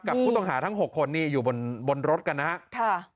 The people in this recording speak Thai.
กับผู้ต้องหาทั้ง๖คนนี่อยู่บนรถกันนะครับ